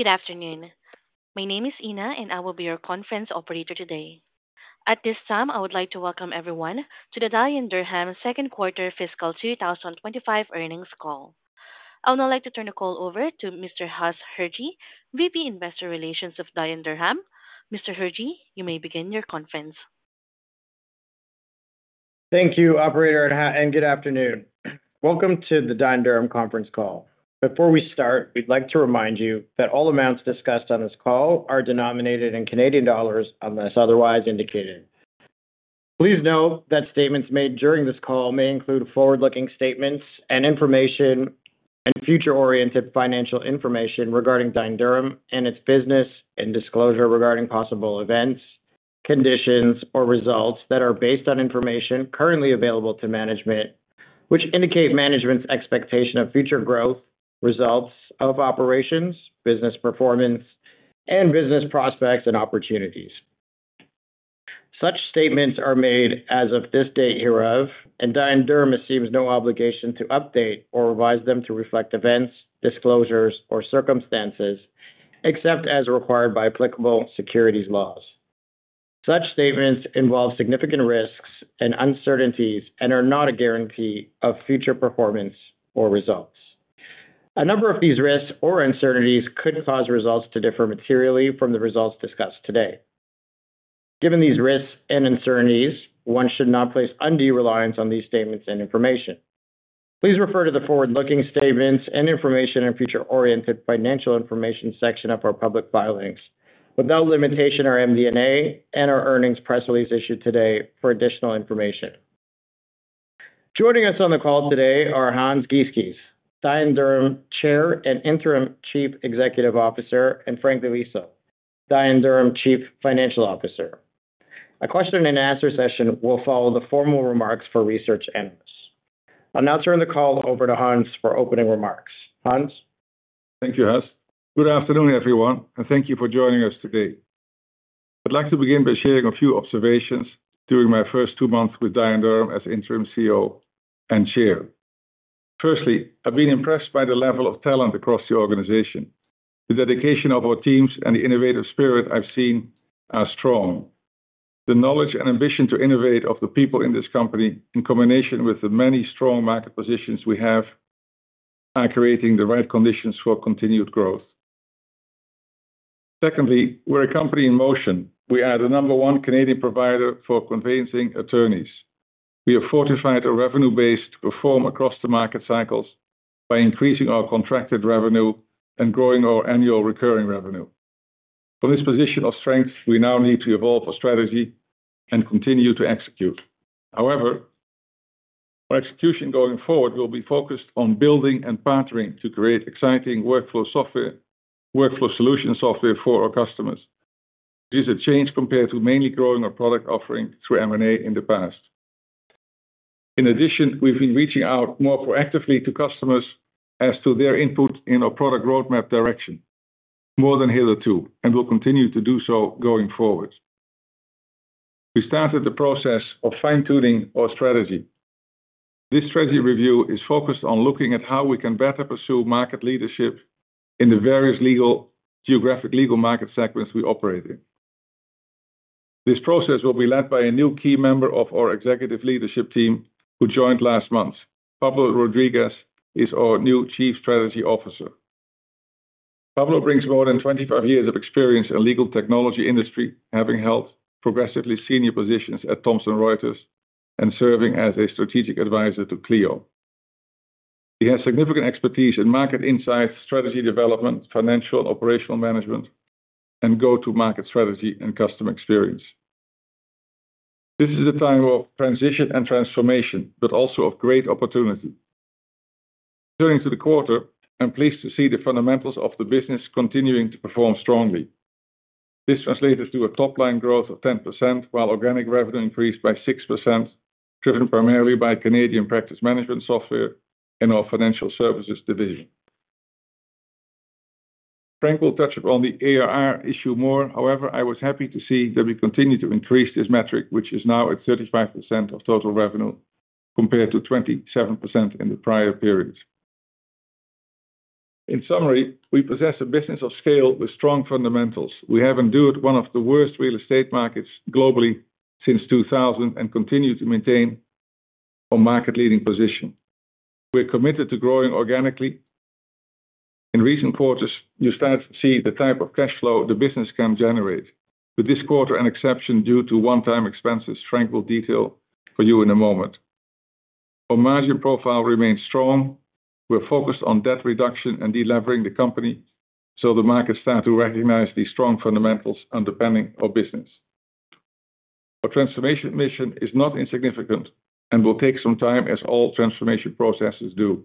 Good afternoon. My name is Ina, and I will be your conference operator today. At this time, I would like to welcome everyone to the Dye & Durham second quarter fiscal 2025 earnings call. I would now like to turn the call over to Mr. Huss Hirji, VP Investor Relations of Dye & Durham. Mr. Hirji, you may begin your conference. Thank you, Operator, and good afternoon. Welcome to the Dye & Durham conference call. Before we start, we'd like to remind you that all amounts discussed on this call are denominated in CAD unless otherwise indicated. Please note that statements made during this call may include forward-looking statements and information and future-oriented financial information regarding Dye & Durham and its business, and disclosure regarding possible events, conditions, or results that are based on information currently available to management, which indicate management's expectation of future growth, results of operations, business performance, and business prospects and opportunities. Such statements are made as of this date hereof, and Dye & Durham assumes no obligation to update or revise them to reflect events, disclosures, or circumstances, except as required by applicable securities laws. Such statements involve significant risks and uncertainties and are not a guarantee of future performance or results. A number of these risks or uncertainties could cause results to differ materially from the results discussed today. Given these risks and uncertainties, one should not place undue reliance on these statements and information. Please refer to the forward-looking statements and information and future-oriented financial information section of our public filings without limitation or MD&A and our earnings press release issued today for additional information. Joining us on the call today are Hans Gieskes, Dye & Durham Chair and Interim Chief Executive Officer, and Frank Di Liso, Dye & Durham Chief Financial Officer. A question-and-answer session will follow the formal remarks for research analysts. I'll now turn the call over to Hans for opening remarks. Hans? Thank you, Huss. Good afternoon, everyone, and thank you for joining us today. I'd like to begin by sharing a few observations during my first two months with Dye & Durham as Interim CEO and Chair. Firstly, I've been impressed by the level of talent across the organization, the dedication of our teams, and the innovative spirit I've seen are strong. The knowledge and ambition to innovate of the people in this company, in combination with the many strong market positions we have, are creating the right conditions for continued growth. Secondly, we're a company in motion. We are the number one Canadian provider for conveyancing attorneys. We have fortified our revenue base to perform across the market cycles by increasing our contracted revenue and growing our annual recurring revenue. From this position of strength, we now need to evolve our strategy and continue to execute. However, our execution going forward will be focused on building and partnering to create exciting workflow solution software for our customers, which is a change compared to mainly growing our product offering through M&A in the past. In addition, we've been reaching out more proactively to customers as to their input in our product roadmap direction, more than hitherto, and will continue to do so going forward. We started the process of fine-tuning our strategy. This strategy review is focused on looking at how we can better pursue market leadership in the various geographic legal market segments we operate in. This process will be led by a new key member of our executive leadership team who joined last month. Pablo Rodriguez is our new Chief Strategy Officer. Pablo brings more than 25 years of experience in the legal technology industry, having held progressively senior positions at Thomson Reuters and serving as a strategic advisor to Clio. He has significant expertise in market insights, strategy development, financial and operational management, and go-to-market strategy and customer experience. This is a time of transition and transformation, but also of great opportunity. Turning to the quarter, I'm pleased to see the fundamentals of the business continuing to perform strongly. This translates to a top-line growth of 10%, while organic revenue increased by 6%, driven primarily by Canadian practice management software in our financial services division. Frank will touch upon the ARR issue more. However, I was happy to see that we continue to increase this metric, which is now at 35% of total revenue compared to 27% in the prior period. In summary, we possess a business of scale with strong fundamentals. We have endured one of the worst real estate markets globally since 2000 and continue to maintain our market-leading position. We're committed to growing organically. In recent quarters, you start to see the type of cash flow the business can generate. With this quarter an exception due to one-time expenses, Frank will detail for you in a moment. Our margin profile remains strong. We're focused on debt reduction and deleveraging the company so the markets start to recognize the strong fundamentals underpinning our business. Our transformation mission is not insignificant and will take some time, as all transformation processes do,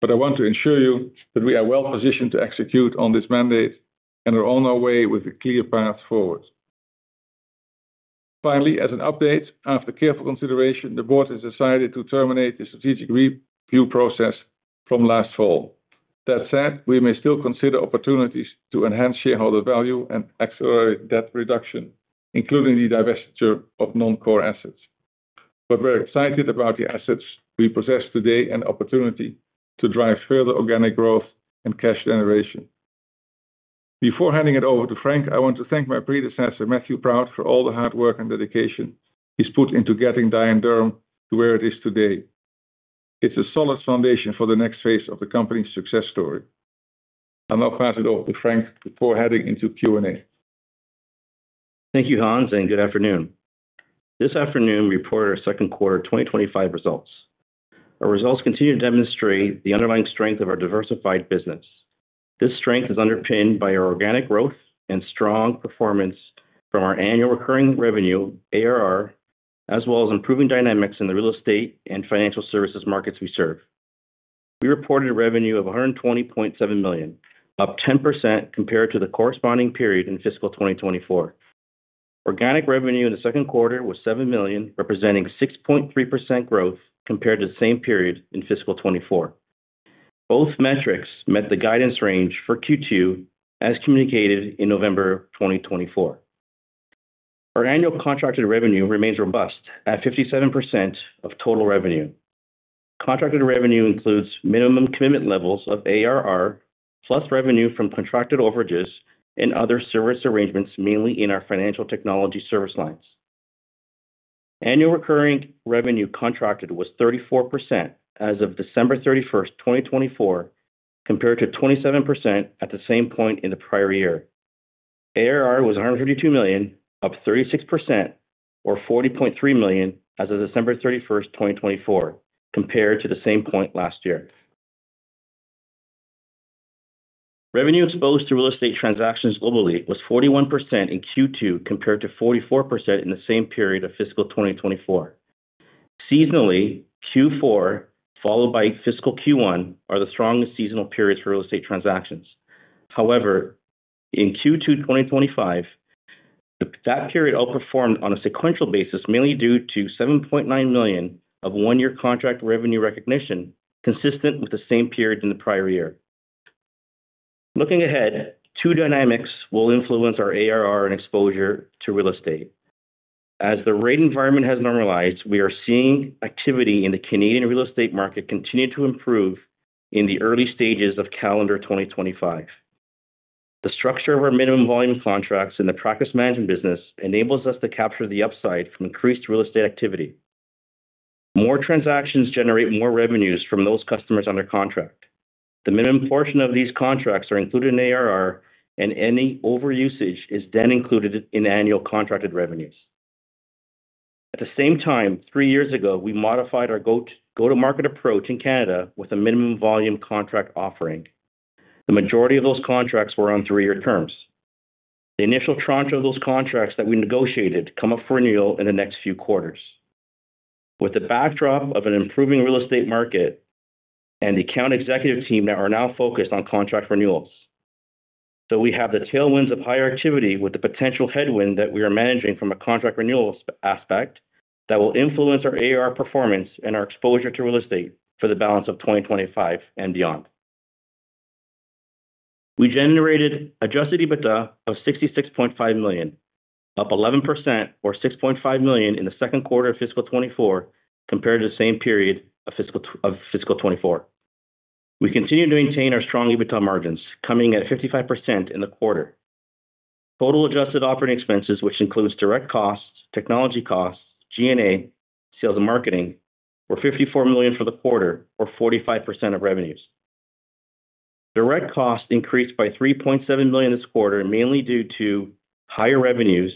but I want to ensure you that we are well positioned to execute on this mandate and are on our way with a clear path forward. Finally, as an update, after careful consideration, the board has decided to terminate the strategic review process from last fall. That said, we may still consider opportunities to enhance shareholder value and accelerate debt reduction, including the divestiture of non-core assets. But we're excited about the assets we possess today and the opportunity to drive further organic growth and cash generation. Before handing it over to Frank, I want to thank my predecessor, Matthew Proud, for all the hard work and dedication he's put into getting Dye & Durham to where it is today. It's a solid foundation for the next phase of the company's success story. I'll now pass it over to Frank before heading into Q&A. Thank you, Hans, and good afternoon. This afternoon, we report our second quarter 2025 results. Our results continue to demonstrate the underlying strength of our diversified business. This strength is underpinned by our organic growth and strong performance from our annual recurring revenue, ARR, as well as improving dynamics in the real estate and financial services markets we serve. We reported a revenue of 120.7 million, up 10% compared to the corresponding period in fiscal 2024. Organic revenue in the second quarter was 7 million, representing 6.3% growth compared to the same period in fiscal 2024. Both metrics met the guidance range for Q2, as communicated in November 2024. Our annual contracted revenue remains robust at 57% of total revenue. Contracted revenue includes minimum commitment levels of ARR plus revenue from contracted overages and other service arrangements, mainly in our financial technology service lines. Annual recurring revenue contracted was 34% as of December 31st, 2024, compared to 27% at the same point in the prior year. ARR was 132 million, up 36%, or 40.3 million as of December 31st, 2024, compared to the same point last year. Revenue exposed to real estate transactions globally was 41% in Q2 compared to 44% in the same period of fiscal 2024. Seasonally, Q4 followed by fiscal Q1 are the strongest seasonal periods for real estate transactions. However, in Q2 2025, that period outperformed on a sequential basis, mainly due to 7.9 million of one-year contract revenue recognition consistent with the same period in the prior year. Looking ahead, two dynamics will influence our ARR and exposure to real estate. As the rate environment has normalized, we are seeing activity in the Canadian real estate market continue to improve in the early stages of calendar 2025. The structure of our minimum volume contracts in the practice management business enables us to capture the upside from increased real estate activity. More transactions generate more revenues from those customers under contract. The minimum portion of these contracts are included in ARR, and any overusage is then included in annual contracted revenues. At the same time, three years ago, we modified our go-to-market approach in Canada with a minimum volume contract offering. The majority of those contracts were on three-year terms. The initial tranche of those contracts that we negotiated came up for renewal in the next few quarters. With the backdrop of an improving real estate market and the account executive team that are now focused on contract renewals, we have the tailwinds of higher activity with the potential headwind that we are managing from a contract renewals aspect that will influence our ARR performance and our exposure to real estate for the balance of 2025 and beyond. We generated Adjusted EBITDA of 66.5 million, up 11%, or 6.5 million in the second quarter of fiscal 2024 compared to the same period of fiscal 2024. We continue to maintain our strong EBITDA margins, coming at 55% in the quarter. Total adjusted operating expenses, which includes direct costs, technology costs, G&A, sales, and marketing, were 54 million for the quarter, or 45% of revenues. Direct costs increased by 3.7 million this quarter, mainly due to higher revenues,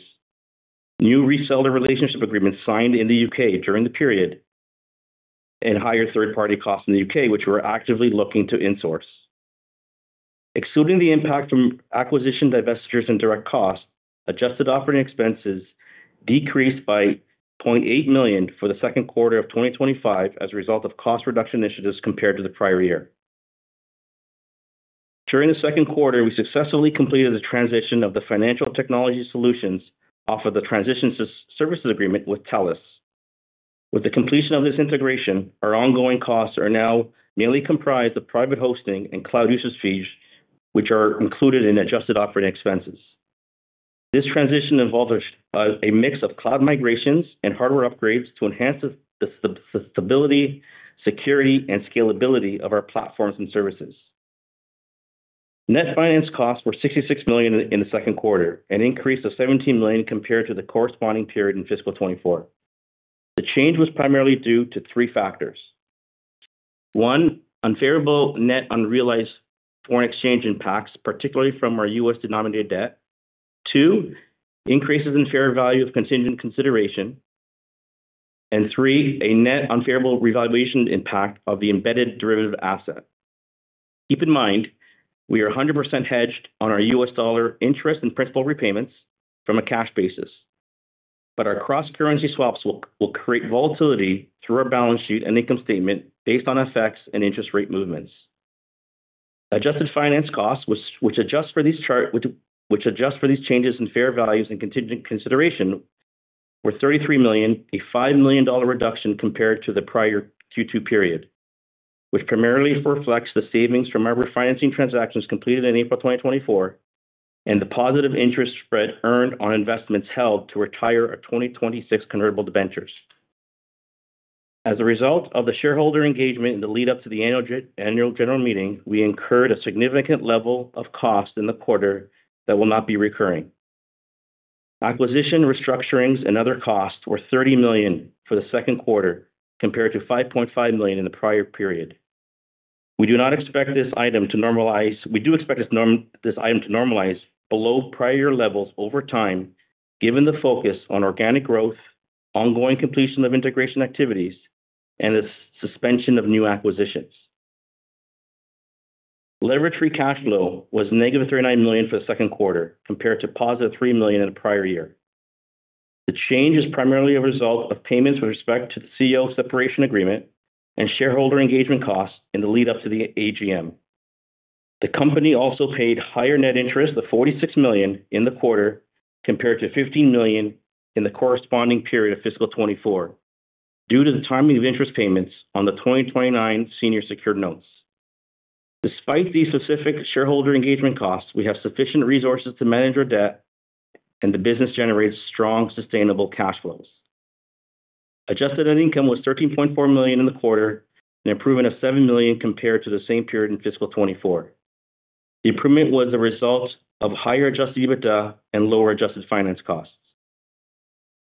new reseller relationship agreements signed in the U.K. during the period, and higher third-party costs in the U.K., which we're actively looking to insource. Excluding the impact from acquisition, divestitures, and direct costs, adjusted operating expenses decreased by 0.8 million for the second quarter of 2025 as a result of cost reduction initiatives compared to the prior year. During the second quarter, we successfully completed the transition of the financial technology solutions off of the transition services agreement with TELUS. With the completion of this integration, our ongoing costs are now mainly comprised of private hosting and cloud usage fees, which are included in adjusted operating expenses. This transition involved a mix of cloud migrations and hardware upgrades to enhance the stability, security, and scalability of our platforms and services. Net finance costs were 66 million in the second quarter, an increase of 17 million compared to the corresponding period in fiscal 2024. The change was primarily due to three factors. One, unfavorable net unrealized foreign exchange impacts, particularly from our U.S.-denominated debt. Two, increases in fair value of contingent consideration. And three, a net unfavorable revaluation impact of the embedded derivative asset. Keep in mind, we are 100% hedged on our U.S. dollar interest and principal repayments from a cash basis, but our cross-currency swaps will create volatility through our balance sheet and income statement based on FX effects and interest rate movements. Adjusted finance costs, which adjust for these changes in fair values and contingent consideration, were 33 million, a 5 million dollar reduction compared to the prior Q2 period, which primarily reflects the savings from our refinancing transactions completed in April 2024 and the positive interest spread earned on investments held to retire our 2026 convertible debentures. As a result of the shareholder engagement in the lead-up to the annual general meeting, we incurred a significant level of cost in the quarter that will not be recurring. Acquisition, restructurings, and other costs were 30 million for the second quarter compared to 5.5 million in the prior period. We do not expect this item to normalize. We do expect this item to normalize below prior year levels over time, given the focus on organic growth, ongoing completion of integration activities, and the suspension of new acquisitions. Leverage-free cash flow was negative 39 million for the second quarter compared to positive 3 million in the prior year. The change is primarily a result of payments with respect to the CEO separation agreement and shareholder engagement costs in the lead-up to the AGM. The company also paid higher net interest, 46 million, in the quarter compared to 15 million in the corresponding period of fiscal 2024, due to the timing of interest payments on the 2029 senior secured notes. Despite these specific shareholder engagement costs, we have sufficient resources to manage our debt, and the business generates strong, sustainable cash flows. Adjusted net income was 13.4 million in the quarter, an improvement of 7 million compared to the same period in fiscal 2024. The improvement was a result of higher adjusted EBITDA and lower adjusted finance costs.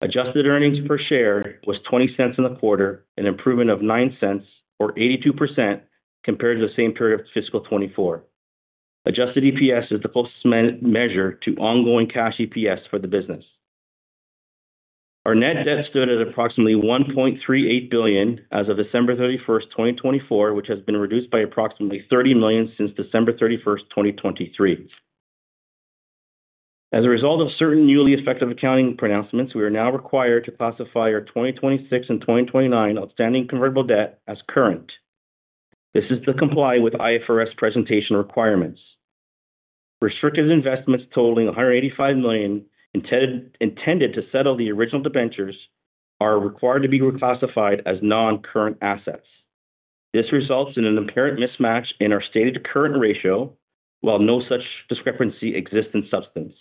Adjusted earnings per share was 0.20 in the quarter, an improvement of 0.09, or 82%, compared to the same period of fiscal 2024. Adjusted EPS is the closest measure to ongoing cash EPS for the business. Our net debt stood at approximately 1.38 billion as of December 31st, 2024, which has been reduced by approximately 30 million since December 31st, 2023. As a result of certain newly effective accounting pronouncements, we are now required to classify our 2026 and 2029 outstanding convertible debt as current. This is to comply with IFRS presentation requirements. Restricted investments totaling 185 million intended to settle the original debentures are required to be reclassified as non-current assets. This results in an apparent mismatch in our stated current ratio, while no such discrepancy exists in substance.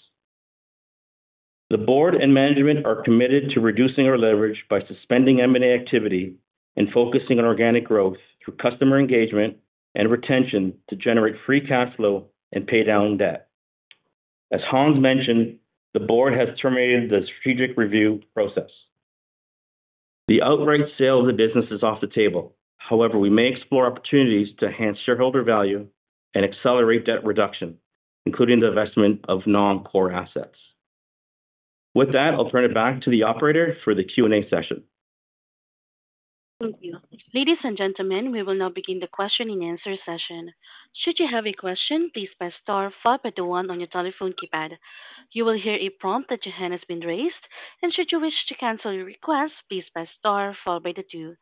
The board and management are committed to reducing our leverage by suspending M&A activity and focusing on organic growth through customer engagement and retention to generate free cash flow and pay down debt. As Hans mentioned, the board has terminated the strategic review process. The outright sale of the business is off the table. However, we may explore opportunities to enhance shareholder value and accelerate debt reduction, including the divestment of non-core assets. With that, I'll turn it back to the operator for the Q&A session. Thank you. Ladies and gentlemen, we will now begin the question and answer session. Should you have a question, please press star followed by the one on your telephone keypad. You will hear a prompt that your hand has been raised, and should you wish to cancel your request, please press star followed by the two.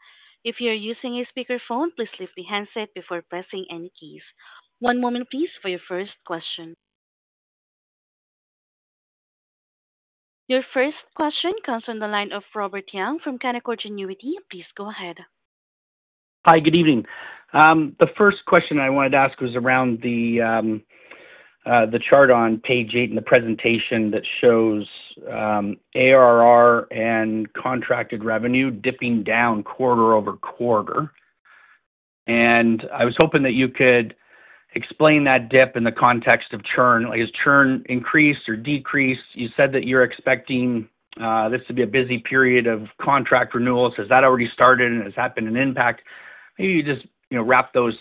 If you are using a speakerphone, please lift the handset before pressing any keys. One moment, please, for your first question. Your first question comes from the line of Robert Young from Canaccord Genuity. Please go ahead. Hi, good evening. The first question I wanted to ask was around the chart on page eight in the presentation that shows ARR and contracted revenue dipping down quarter over quarter, and I was hoping that you could explain that dip in the context of churn. Has churn increased or decreased? You said that you're expecting this to be a busy period of contract renewals. Has that already started? Has that been an impact? Maybe you just wrap those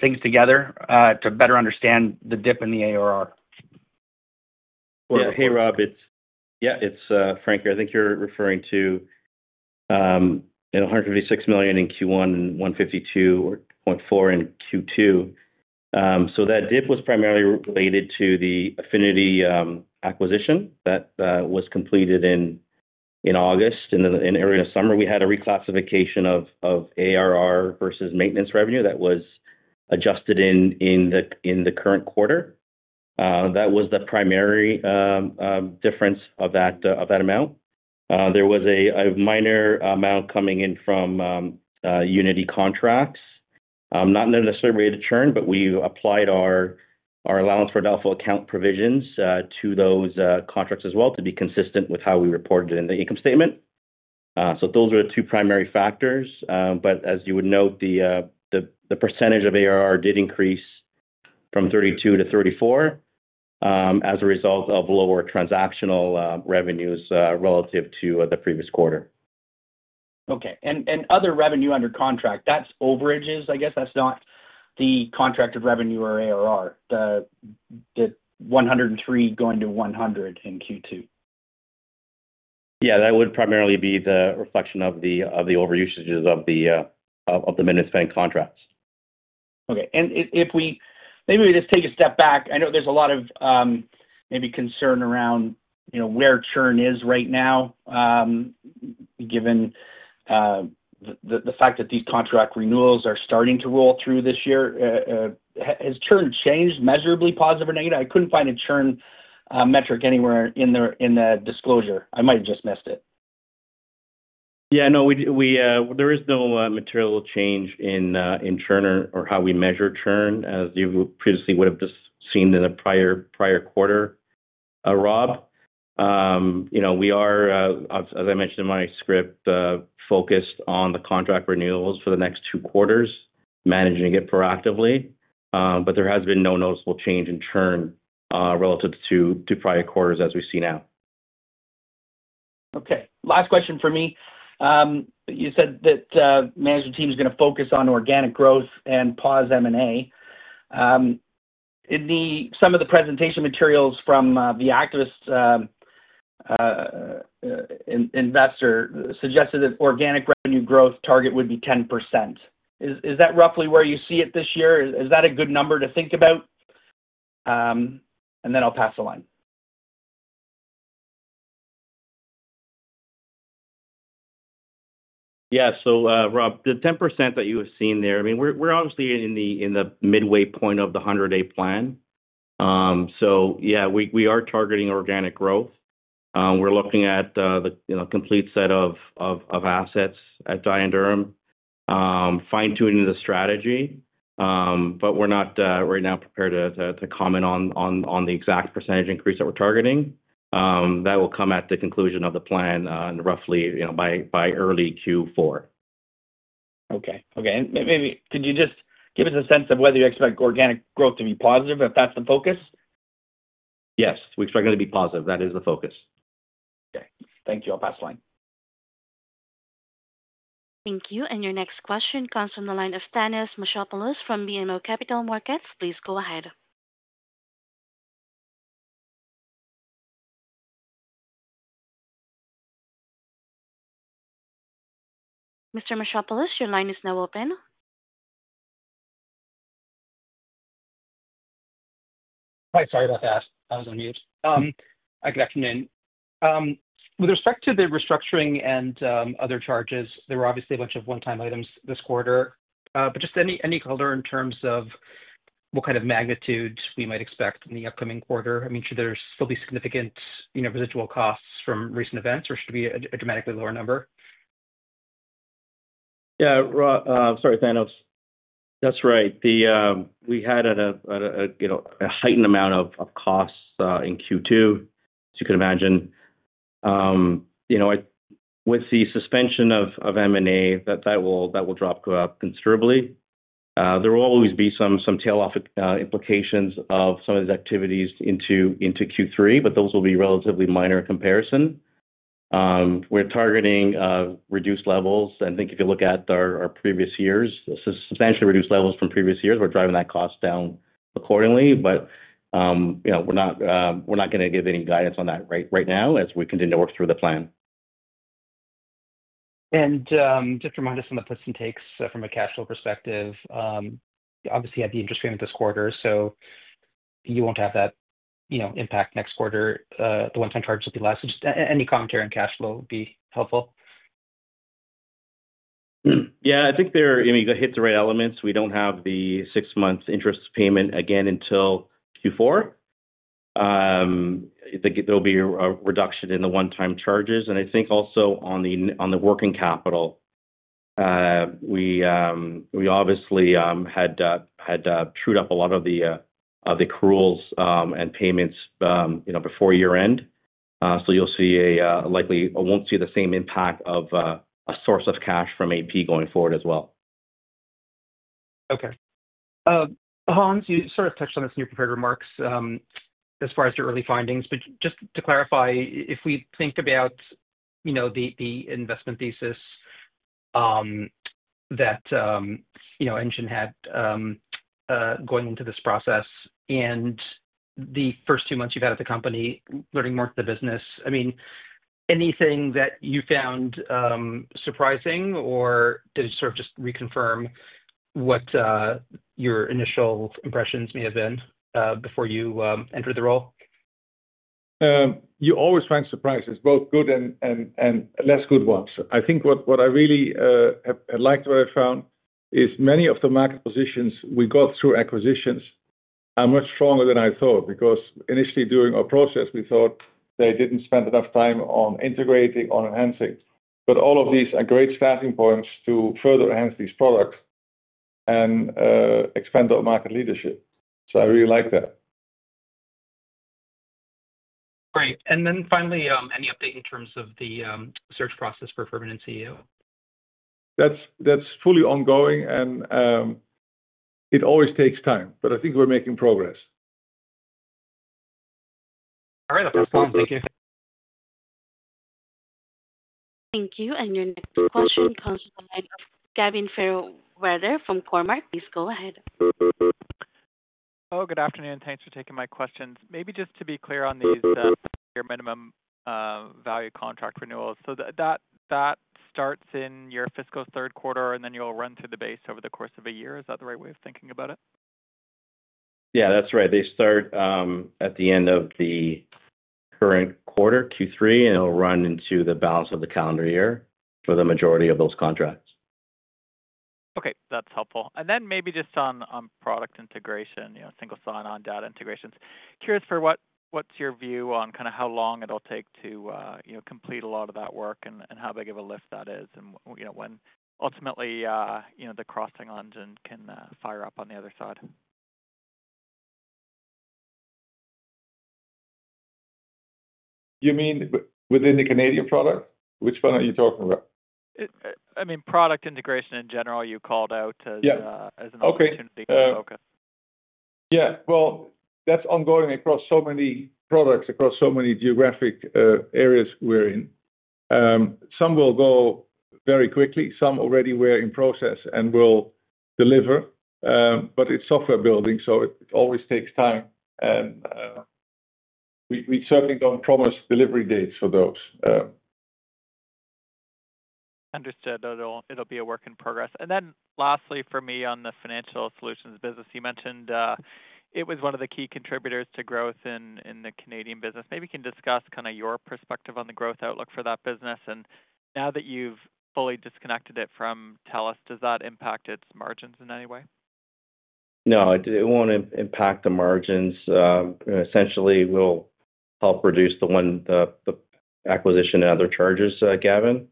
things together to better understand the dip in the ARR. Yeah. Hey, Rob. Yeah, it's Frank here. I think you're referring to 156 million in Q1 and 152.4 million in Q2. So that dip was primarily related to the Affinity acquisition that was completed in August. In the early summer, we had a reclassification of ARR versus maintenance revenue that was adjusted in the current quarter. That was the primary difference of that amount. There was a minor amount coming in from Unity contracts. Not necessarily related to churn, but we applied our Allowance for Doubtful Accounts provisions to those contracts as well to be consistent with how we reported it in the income statement. So those were the two primary factors. But as you would note, the percentage of ARR did increase from 32% to 34% as a result of lower transactional revenues relative to the previous quarter. Okay. And other revenue under contract, that's overages, I guess. That's not the contracted revenue or ARR, the 103 going to 100 in Q2. Yeah, that would primarily be the reflection of the over usages of the minute spent contracts. Okay. And maybe we just take a step back. I know there's a lot of maybe concern around where churn is right now, given the fact that these contract renewals are starting to roll through this year. Has churn changed measurably, positive or negative? I couldn't find a churn metric anywhere in the disclosure. I might have just missed it. Yeah, no, there is no material change in churn or how we measure churn, as you previously would have just seen in the prior quarter, Rob. We are, as I mentioned in my script, focused on the contract renewals for the next two quarters, managing it proactively. But there has been no noticeable change in churn relative to prior quarters as we see now. Okay. Last question for me. You said that the management team is going to focus on organic growth and pause M&A. Some of the presentation materials from the activist investor suggested that organic revenue growth target would be 10%. Is that roughly where you see it this year? Is that a good number to think about? And then I'll pass the line. Yeah. So, Rob, the 10% that you have seen there, I mean, we're obviously in the midway point of the 100-day plan. So, yeah, we are targeting organic growth. We're looking at the complete set of assets at Dye & Durham, fine-tuning the strategy. But we're not right now prepared to comment on the exact percentage increase that we're targeting. That will come at the conclusion of the plan, roughly by early Q4. Okay. Okay. And maybe could you just give us a sense of whether you expect organic growth to be positive, if that's the focus? Yes, we expect it to be positive. That is the focus. Okay. Thank you. I'll pass the line. Thank you. And your next question comes from the line of Thanos Moschopoulos from BMO Capital Markets. Please go ahead. Mr. Thanos Moschopoulos, your line is now open. Hi. Sorry about that. I was on mute. Hi, good afternoon. With respect to the restructuring and other charges, there were obviously a bunch of one-time items this quarter. But just any color in terms of what kind of magnitude we might expect in the upcoming quarter. I mean, should there still be significant residual costs from recent events, or should it be a dramatically lower number? Yeah, Rob. Sorry, Thanos. That's right. We had a heightened amount of costs in Q2, as you can imagine. With the suspension of M&A, that will drop considerably. There will always be some tail-off implications of some of these activities into Q3, but those will be relatively minor in comparison. We're targeting reduced levels. I think if you look at our previous years, substantially reduced levels from previous years, we're driving that cost down accordingly. But we're not going to give any guidance on that right now as we continue to work through the plan. Just to remind us on the puts and takes from a cash flow perspective, obviously, you have the interest payment this quarter, so you won't have that impact next quarter. The one-time charges will be less. Any commentary on cash flow would be helpful. Yeah, I think they're hitting the right elements. We don't have the six-month interest payment again until Q4. There'll be a reduction in the one-time charges, and I think also on the working capital, we obviously had trued up a lot of the accruals and payments before year-end, so you'll see a likely, I won't see the same impact of a source of cash from AP going forward as well. Okay. Hans, you sort of touched on this in your prepared remarks as far as your early findings. But just to clarify, if we think about the investment thesis that Engine had going into this process and the first two months you've had at the company, learning more of the business, I mean, anything that you found surprising, or did it sort of just reconfirm what your initial impressions may have been before you entered the role? You always find surprises, both good and less good ones. I think what I really liked, what I found, is many of the market positions we got through acquisitions are much stronger than I thought because initially during our process, we thought they didn't spend enough time on integrating, on enhancing, but all of these are great starting points to further enhance these products and expand our market leadership, so I really like that. Great. And then finally, any update in terms of the search process for a permanent CEO? That's fully ongoing, and it always takes time, but I think we're making progress. All right. I'll pass the line. Thank you. Thank you, and your next question comes from Gavin Fairweather from Cormark. Please go ahead. Hello. Good afternoon. Thanks for taking my questions. Maybe just to be clear on these minimum value contract renewals. So that starts in your fiscal third quarter, and then you'll run through the base over the course of a year. Is that the right way of thinking about it? Yeah, that's right. They start at the end of the current quarter, Q3, and it'll run into the balance of the calendar year for the majority of those contracts. Okay. That's helpful. Then maybe just on product integration, single sign-on data integrations, curious for what's your view on kind of how long it'll take to complete a lot of that work and how big of a lift that is and when ultimately the crossing engine can fire up on the other side? You mean within the Canadian product? Which one are you talking about? I mean, product integration in general, you called out as an opportunity to focus. Yeah, well, that's ongoing across so many products, across so many geographic areas we're in. Some will go very quickly. Some already we're in process and will deliver. But it's software building, so it always takes time, and we certainly don't promise delivery dates for those. Understood. It'll be a work in progress. And then lastly, for me, on the financial solutions business, you mentioned it was one of the key contributors to growth in the Canadian business. Maybe you can discuss kind of your perspective on the growth outlook for that business. And now that you've fully disconnected it from TELUS, does that impact its margins in any way? No. It won't impact the margins. Essentially, we'll help reduce the acquisition and other charges, Gavin.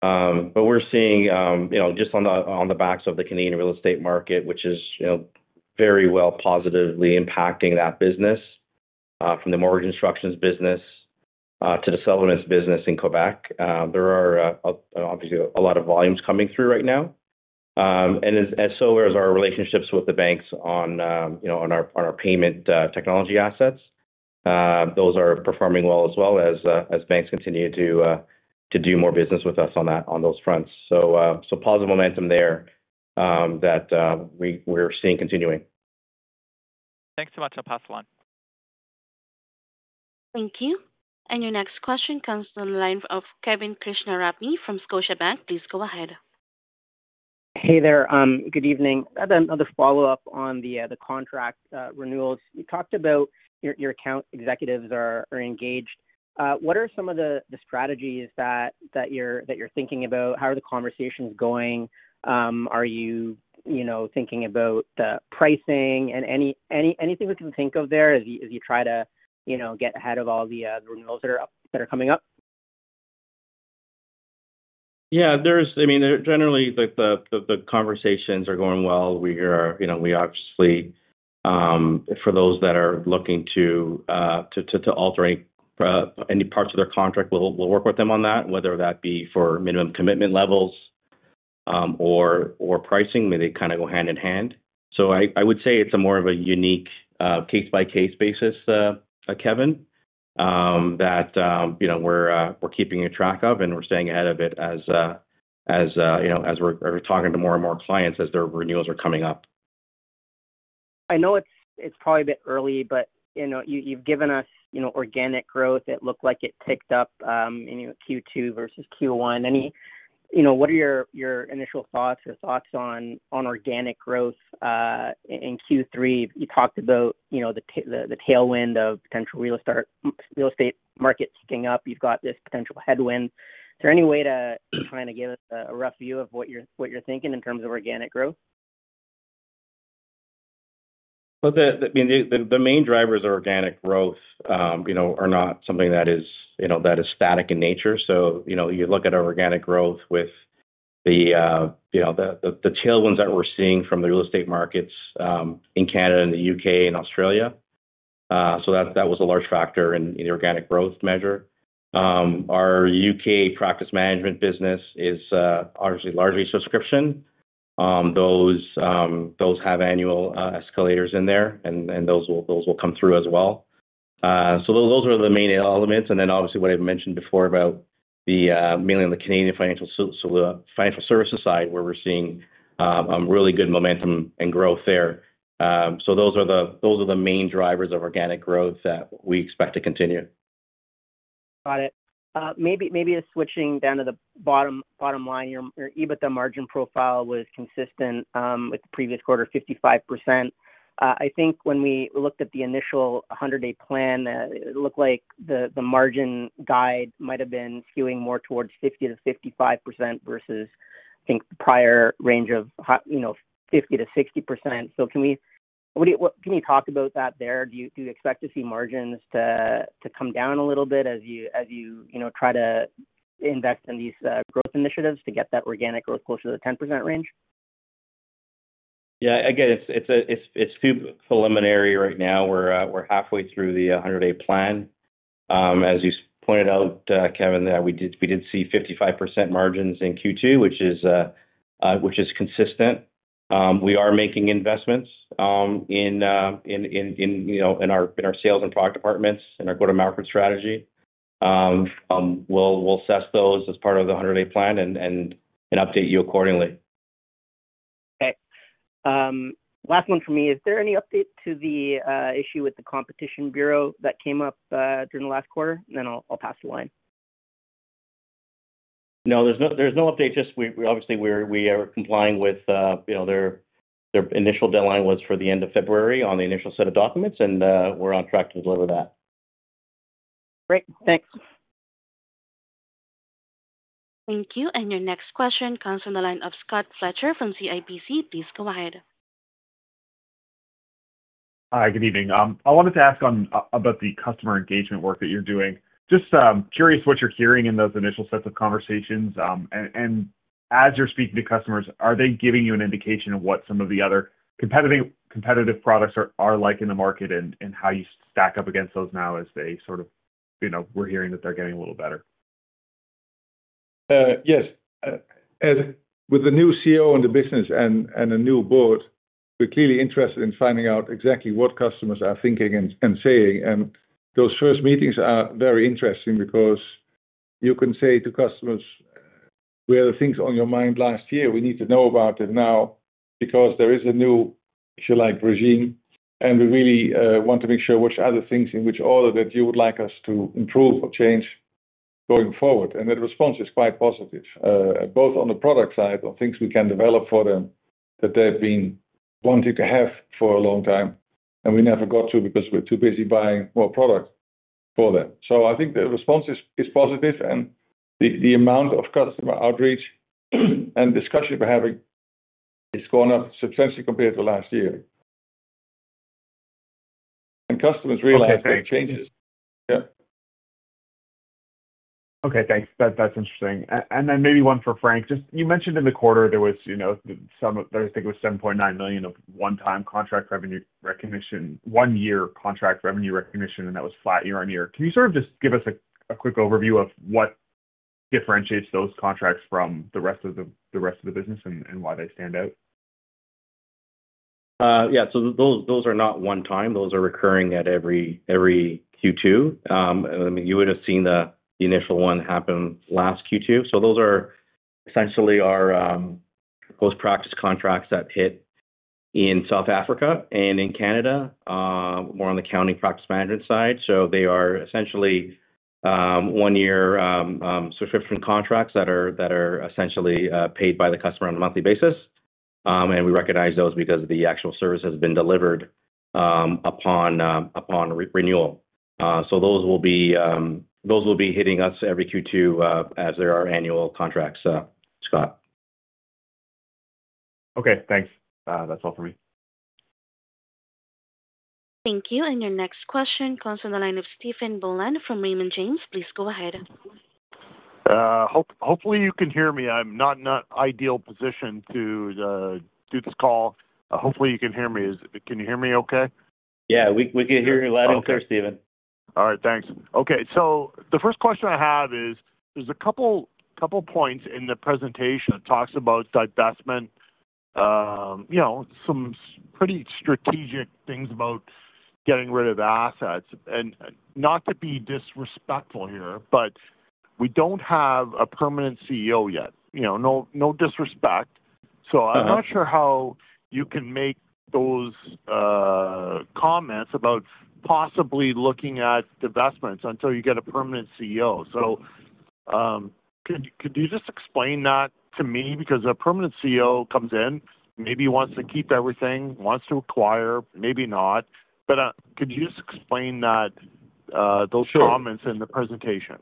But we're seeing just on the backs of the Canadian real estate market, which is very well positively impacting that business, from the mortgage instructions business to the settlements business in Quebec. There are obviously a lot of volumes coming through right now. And so are our relationships with the banks on our payment technology assets. Those are performing well as well as banks continue to do more business with us on those fronts. So positive momentum there that we're seeing continuing. Thanks so much. I'll pass the line. Thank you. And your next question comes from the line of Kevin Krishnaratne from Scotiabank. Please go ahead. Hey there. Good evening. Another follow-up on the contract renewals. You talked about your account executives are engaged. What are some of the strategies that you're thinking about? How are the conversations going? Are you thinking about the pricing and anything we can think of there as you try to get ahead of all the renewals that are coming up? Yeah. I mean, generally, the conversations are going well. We obviously, for those that are looking to alter any parts of their contract, we'll work with them on that, whether that be for minimum commitment levels or pricing. They kind of go hand in hand. So I would say it's more of a unique case-by-case basis, Kevin, that we're keeping track of and we're staying ahead of it as we're talking to more and more clients as their renewals are coming up. I know it's probably a bit early, but you've given us organic growth. It looked like it ticked up in Q2 versus Q1. What are your initial thoughts or thoughts on organic growth in Q3? You talked about the tailwind of potential real estate markets picking up. You've got this potential headwind. Is there any way to kind of give us a rough view of what you're thinking in terms of organic growth? Well, I mean, the main drivers of organic growth are not something that is static in nature. So you look at our organic growth with the tailwinds that we're seeing from the real estate markets in Canada, in the U.K., and Australia. So that was a large factor in the organic growth measure. Our U.K. practice management business is obviously largely subscription. Those have annual escalators in there, and those will come through as well. So those are the main elements. And then obviously, what I've mentioned before about mainly on the Canadian financial services side, where we're seeing really good momentum and growth there. So those are the main drivers of organic growth that we expect to continue. Got it. Maybe switching down to the bottom line, your EBITDA margin profile was consistent with the previous quarter, 55%. I think when we looked at the initial 100-day plan, it looked like the margin guide might have been skewing more towards 50%-55% versus, I think, the prior range of 50%-60%. So can you talk about that there? Do you expect to see margins to come down a little bit as you try to invest in these growth initiatives to get that organic growth closer to the 10% range? Yeah. Again, it's preliminary right now. We're halfway through the 100-day plan. As you pointed out, Kevin, that we did see 55% margins in Q2, which is consistent. We are making investments in our sales and product departments and our go-to-market strategy. We'll assess those as part of the 100-day plan and update you accordingly. Okay. Last one for me. Is there any update to the issue with the Competition Bureau that came up during the last quarter? And then I'll pass the line. No, there's no update. Just obviously, we are complying with their initial deadline was for the end of February on the initial set of documents, and we're on track to deliver that. Great. Thanks. Thank you. And your next question comes from the line of Scott Fletcher from CIBC. Please go ahead. Hi. Good evening. I wanted to ask about the customer engagement work that you're doing. Just curious what you're hearing in those initial sets of conversations, and as you're speaking to customers, are they giving you an indication of what some of the other competitive products are like in the market and how you stack up against those now as they sort of we're hearing that they're getting a little better? Yes. With the new CEO in the business and a new board, we're clearly interested in finding out exactly what customers are thinking and saying. And those first meetings are very interesting because you can say to customers, "We had things on your mind last year. We need to know about it now because there is a new, if you like, regime, and we really want to make sure which other things in which order that you would like us to improve or change going forward." And the response is quite positive, both on the product side of things we can develop for them that they've been wanting to have for a long time, and we never got to because we're too busy buying more product for them. So I think the response is positive, and the amount of customer outreach and discussion we're having has gone up substantially compared to last year. And customers realize the changes. Yeah. Okay. Thanks. That's interesting. And then maybe one for Frank. You mentioned in the quarter there was some I think it was 7.9 million of one-time contract revenue recognition, one-year contract revenue recognition, and that was flat year on year. Can you sort of just give us a quick overview of what differentiates those contracts from the rest of the business and why they stand out? Yeah. So those are not one-time. Those are recurring at every Q2. I mean, you would have seen the initial one happen last Q2. So those are essentially our post-practice contracts that hit in South Africa and in Canada, more on the cloud practice management side. So they are essentially one-year subscription contracts that are essentially paid by the customer on a monthly basis. And we recognize those because the actual service has been delivered upon renewal. So those will be hitting us every Q2 as there are annual contracts, Scott. Okay. Thanks. That's all for me. Thank you. And your next question comes from the line of Stephen Boland from Raymond James. Please go ahead. Hopefully, you can hear me. I'm not in an ideal position to do this call. Hopefully, you can hear me. Can you hear me, okay? Yeah. We can hear you loud and clear, Stephen. All right. Thanks. Okay. So the first question I have is there's a couple of points in the presentation that talks about divestment, some pretty strategic things about getting rid of assets. And not to be disrespectful here, but we don't have a permanent CEO yet. No disrespect. So I'm not sure how you can make those comments about possibly looking at divestments until you get a permanent CEO. So could you just explain that to me? Because a permanent CEO comes in, maybe wants to keep everything, wants to acquire, maybe not. But could you just explain those comments in the presentation?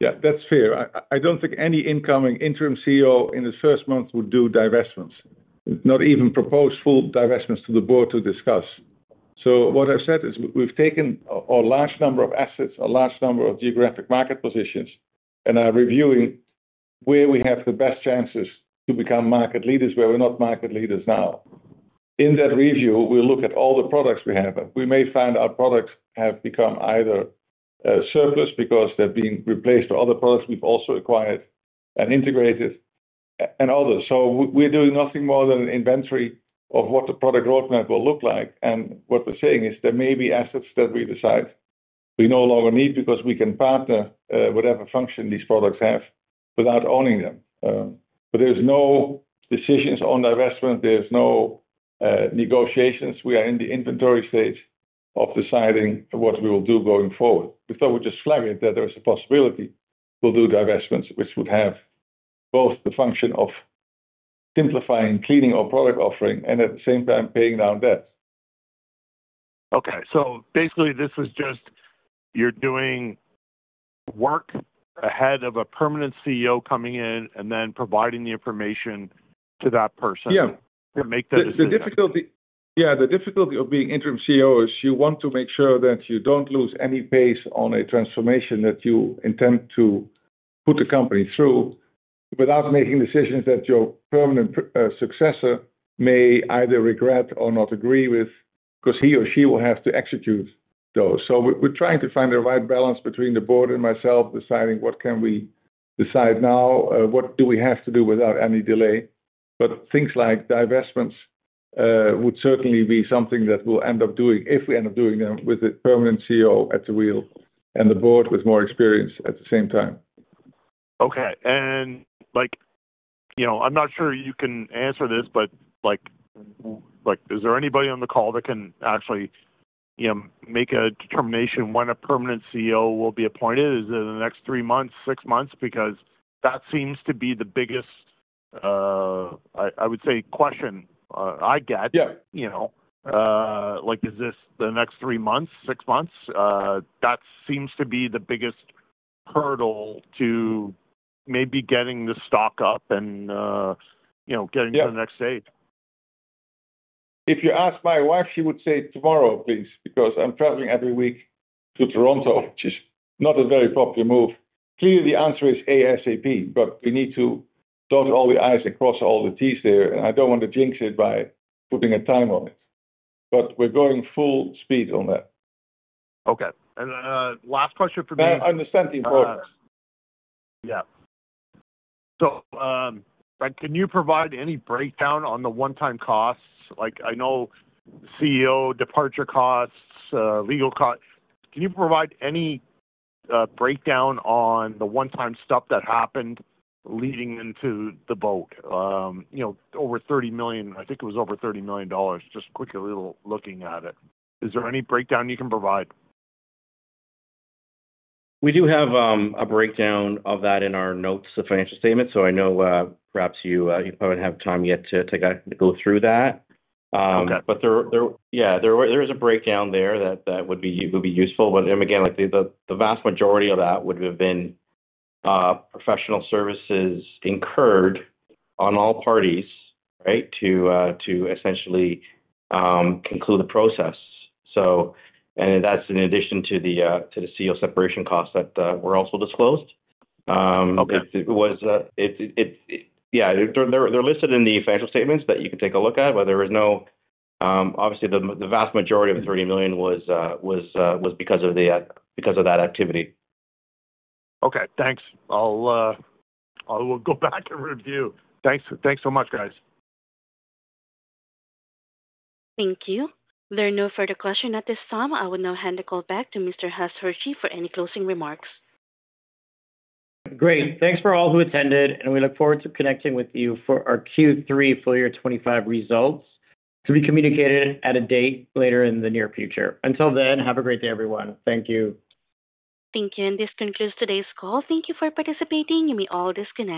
Yeah. That's fair. I don't think any incoming interim CEO in the first month would do divestments, not even propose full divestments to the board to discuss. So what I've said is we've taken a large number of assets, a large number of geographic market positions, and are reviewing where we have the best chances to become market leaders, where we're not market leaders now. In that review, we'll look at all the products we have. We may find our products have become either surplus because they've been replaced by other products we've also acquired and integrated and others. So we're doing nothing more than an inventory of what the product roadmap will look like. And what we're saying is there may be assets that we decide we no longer need because we can partner whatever function these products have without owning them. But there's no decisions on divestment. There's no negotiations. We are in the inventory stage of deciding what we will do going forward. We thought we'd just flag it that there is a possibility we'll do divestments, which would have both the function of simplifying, cleaning our product offering, and at the same time, paying down debt. Okay. So basically, this is just you're doing work ahead of a permanent CEO coming in and then providing the information to that person to make that decision. Yeah. The difficulty of being Interim CEO is you want to make sure that you don't lose any base on a transformation that you intend to put the company through without making decisions that your permanent successor may either regret or not agree with because he or she will have to execute those. So we're trying to find the right balance between the board and myself deciding what can we decide now, what do we have to do without any delay. But things like divestments would certainly be something that we'll end up doing if we end up doing them with the permanent CEO at the wheel and the board with more experience at the same time. Okay. And I'm not sure you can answer this, but is there anybody on the call that can actually make a determination when a permanent CEO will be appointed? Is it in the next three months, six months? Because that seems to be the biggest, I would say, question I get. Is this the next three months, six months? That seems to be the biggest hurdle to maybe getting the stock up and getting to the next stage. If you ask my wife, she would say, "Tomorrow, please," because I'm traveling every week to Toronto, which is not a very popular move. Clearly, the answer is ASAP, but we need to dot all the i's and cross all the t's there. And I don't want to jinx it by putting a time on it. But we're going full speed on that. Okay, and last question for me. I understand the importance. Yeah. So can you provide any breakdown on the one-time costs? I know CEO departure costs, legal costs. Can you provide any breakdown on the one-time stuff that happened leading into the vote? Over 30 million. I think it was over 30 million dollars. Just quickly looking at it. Is there any breakdown you can provide? We do have a breakdown of that in our notes, the financial statements, so I know perhaps you probably don't have time yet to go through that, but yeah, there is a breakdown there that would be useful, but again, the vast majority of that would have been professional services incurred on all parties, right, to essentially conclude the process. And that's in addition to the CEO separation costs that were also disclosed. Yeah. They're listed in the financial statements that you can take a look at, but there is, obviously, the vast majority of 30 million was because of that activity. Okay. Thanks. I will go back and review. Thanks so much, guys. Thank you. There are no further questions at this time. I will now hand the call back to Mr. Huss Hirji for any closing remarks. Great. Thanks for all who attended, and we look forward to connecting with you for our Q3, full year 2025 results to be communicated at a date later in the near future. Until then, have a great day, everyone. Thank you. Thank you. And this concludes today's call. Thank you for participating. You may all disconnect.